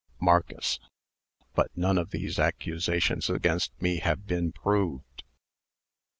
MARCUS. "But none of these accusations against me have been proved."